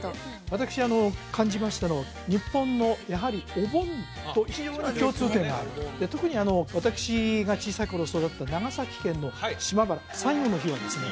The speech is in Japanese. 私感じましたのは日本のやはりお盆と非常に共通点がある特に私が小さい頃育った長崎県の島原最後の日はですね